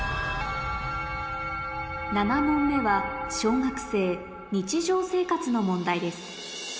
７問目は小学生の問題です